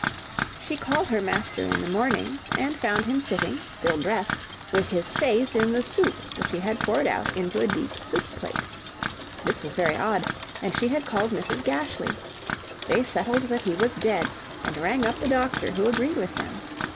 She called her master in the morning, and found him sitting, still dressed, with his face in the soup which he had poured out into a deep soup plate. This was very odd, and she had called Mrs. Gashly. They settled that he was dead, and rang up the doctor who agreed with them.